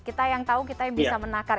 kita yang tahu kita yang bisa menakar